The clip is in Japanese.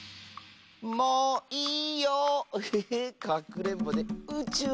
「もういいよ！